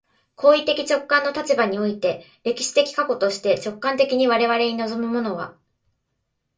行為的直観の立場において、歴史的過去として、直観的に我々に臨むものは、